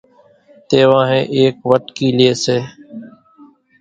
تيوانۿين ايڪ وٽڪي لئي سي